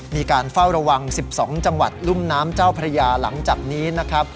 มีการเฝ้าระวัง๑๒จังหวัดลุ่มน้ำเจ้าพระยาหลังจากนี้นะครับ